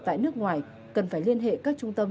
tại nước ngoài cần phải liên hệ các trung tâm